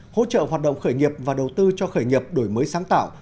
hỗ trợ hoạt động khởi nghiệp và đầu tư cho khởi nghiệp đổi mới sáng tạo